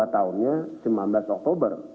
dua tahunnya sembilan belas oktober dua ribu satu